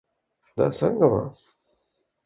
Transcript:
دا څنګه وه